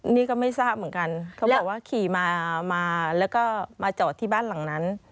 นี่ก็ไม่ทราบเหมือนกันเขาบอกว่าขี่มามาแล้วก็มาจอดที่บ้านหลังนั้น